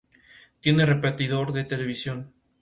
Galván escribió todos los arreglos para el septeto.